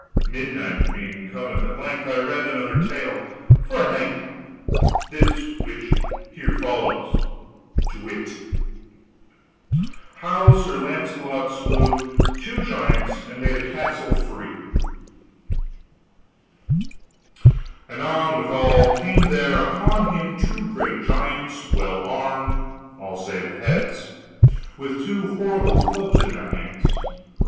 Midnight being come at length, I read another tale, for a nightcap this which here follows, to wit: HOW SIR LAUNCELOT SLEW TWO GIANTS, AND MADE A CASTLE FREE Anon withal came there upon him two great giants, well armed, all save the heads, with two horrible clubs in their hands.